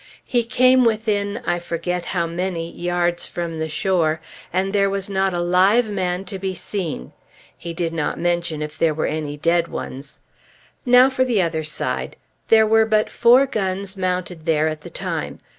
He came within I forget how many yards from the shore, and there was not a live man to be seen. He did not mention if there were any dead ones! Now for the other side. There were but four guns mounted there at the time.